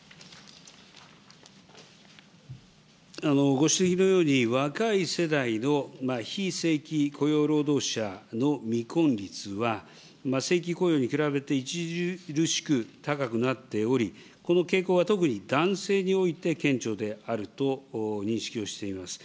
ご指摘のように、若い世代の非正規雇用労働者の未婚率は、正規雇用に比べて著しく高くなっており、この傾向は特に男性において顕著であると認識をしています。